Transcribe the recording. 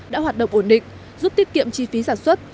đã hoạt động ổn định giúp tiết kiệm chi phí sản xuất